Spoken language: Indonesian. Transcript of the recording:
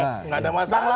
nggak ada masalah